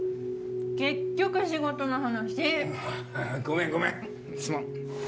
結局仕事の話！あぁごめんごめんすまん。